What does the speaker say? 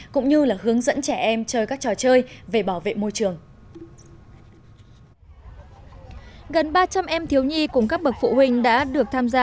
cũng như hướng dẫn trẻ em chơi các trò chơi về bảo vệ môi trường